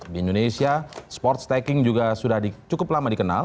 di indonesia sports stacking juga sudah cukup lama dikenal